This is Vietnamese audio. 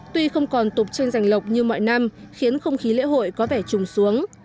tuy không còn tục tranh giành lộc như mọi năm khiến không khí lễ hội có vẻ trùng xuống